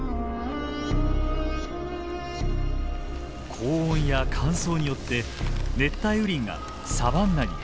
高温や乾燥によって熱帯雨林がサバンナに変化。